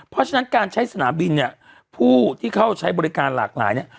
เพราะฉะนั้นการใช้สนามบินเนี่ยผู้ที่เข้าใช้บริการหลากหลายเนี่ย